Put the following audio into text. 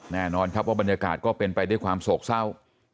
แน่นอนครับว่าบรรยากาศก็เป็นไปด้วยความโศกเศร้า